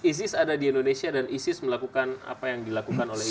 isis ada di indonesia dan isis melakukan apa yang dilakukan oleh isi